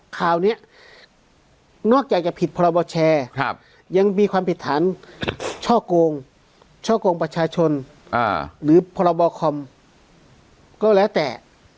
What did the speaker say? คราวนี้นอกจากจะผิดพรบแชร์ยังมีความผิดฐานช่อกงช่อกงประชาชนหรือพรบคอมก็แล้วแต่